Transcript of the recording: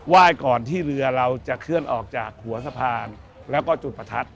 ยก่อนที่เรือเราจะเคลื่อนออกจากหัวสะพานแล้วก็จุดประทัด